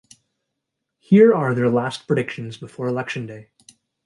Here are their last predictions before election day.